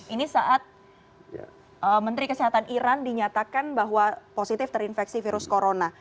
ini saat menteri kesehatan iran dinyatakan bahwa positif terinfeksi virus corona